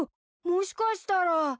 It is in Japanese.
もしかしたら。